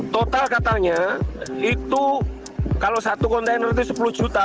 total katanya itu kalau satu kontainer itu sepuluh juta